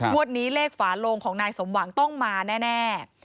วันนี้เลขฝาโลงของนายสมหวังต้องมาแน่